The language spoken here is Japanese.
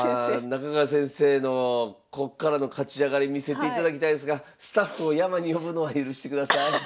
中川先生のこっからの勝ち上がり見せていただきたいですがスタッフを山に呼ぶのは許してください。